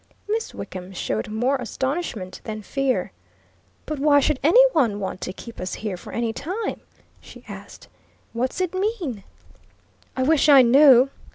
Miss Wickham showed more astonishment than fear. "But why should any one want to keep us here for any time?" she asked. "What's it mean?" "I wish I knew!"